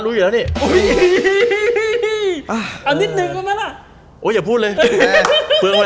เดี๋ยวเพลงนี้ออกไปกู้เละแน่เลย